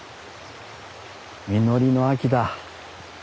実りの秋だ。